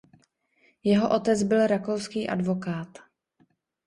Jeho otec byl rakouský advokát.